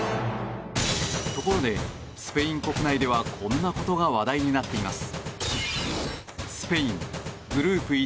ところでスペイン国内ではこんなことが話題になっています。